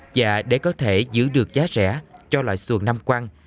và để có thể giữ được giá rẻ cho loại xuồng năm quang